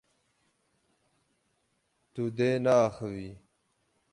Tu dê neaxivî.